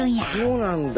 そうなんだ。